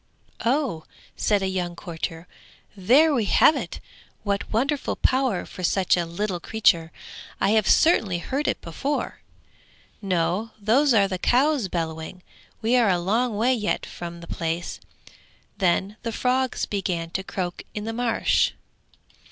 'Oh!' said a young courtier, 'there we have it. What wonderful power for such a little creature; I have certainly heard it before.' 'No, those are the cows bellowing; we are a long way yet from the place.' Then the frogs began to croak in the marsh.